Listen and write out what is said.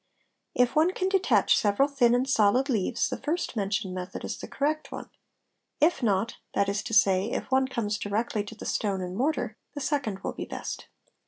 If one can detach several thin and solid : leaves the first mentioned method is the correct one, if not, that is to say, :| if one comes directly to the stone and mortar, the second will be best.